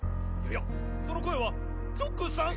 やっその声はゾックスさん？